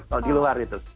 soal di luar itu